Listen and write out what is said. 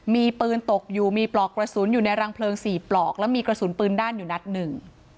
มีปืนตกอยู่มีปลอกกระสุนอยู่ในรังเพลิงสี่ปลอกแล้วมีกระสุนปืนด้านอยู่นัดหนึ่ง